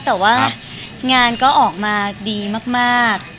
แต่ว่างานก็ออกมาดีมาก